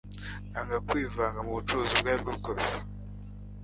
Nanze kwivanga mubucuruzi ubwo aribwo bwose rwose